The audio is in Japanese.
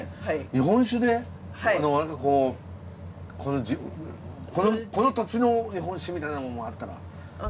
日本酒でこの土地の日本酒みたいなものあったら。